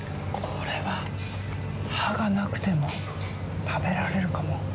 これは歯がなくても食べられるかも。